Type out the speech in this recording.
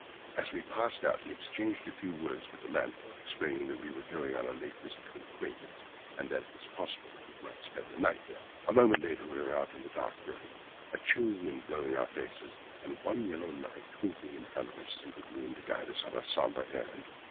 As we passed out he exchanged a few words with the landlord, explaining that we were going on a late visit to an acquaintance, and that it was possible that we might spend the night there. A moment later we were out on the dark road, a chill wind blowing in our faces, and one yellow light twinkling in front of us through the gloom to guide us on our sombre errand.